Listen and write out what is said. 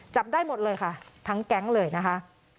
จับได้หมดเลยค่ะทั้งแก๊งเลยนะคะ